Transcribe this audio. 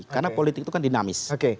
karena politik itu kan dinamis